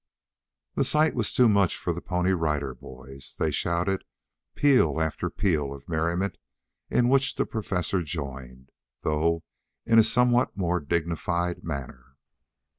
The sight was too much for the Pony Rider Boys. They shouted peal after peal of merriment, in which the Professor joined, though in a somewhat more dignified manner.